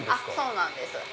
そうなんです。